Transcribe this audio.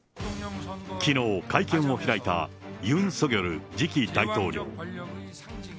きのう、会見を開いたユン・ソギョル次期大統領。